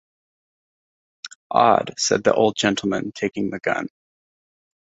‘Odd,’ said the old gentleman, taking the gun.